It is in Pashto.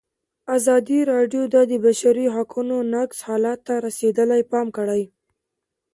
ازادي راډیو د د بشري حقونو نقض حالت ته رسېدلي پام کړی.